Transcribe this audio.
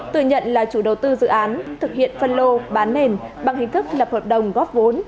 tự nhận là chủ đầu tư dự án thực hiện phân lô bán nền bằng hình thức lập hợp đồng góp vốn